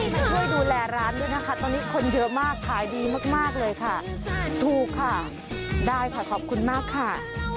ช่วยดูแลร้านด้วยนะคะตอนนี้คนเยอะมากขายดีมากเลยค่ะถูกค่ะได้ค่ะขอบคุณมากค่ะ